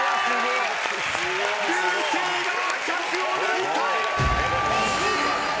流星が１００を抜いた！